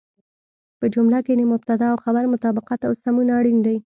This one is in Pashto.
په جمله کې د مبتدا او خبر مطابقت او سمون اړين دی.